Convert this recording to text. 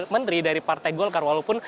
menteri dari partai golkar walaupun